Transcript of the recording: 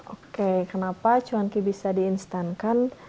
oke kenapa cuan ki bisa di instankan